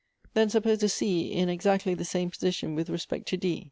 Then siippose a C in exactly the same position with respect to D.